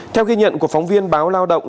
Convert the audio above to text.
theo ghi nhận của phóng viên báo lao động